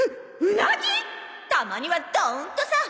たまにはドーンとさ！